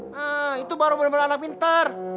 hah itu baru baru anak pinter